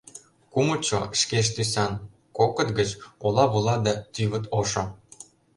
Кумытшо — шкеж тӱсан, кокыт гыч — ола-вула да тӱвыт ошо.